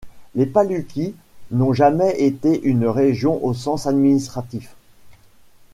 Les Pałuki n'ont jamais été une région au sens administratif.